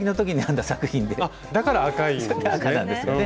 だから赤いんですね。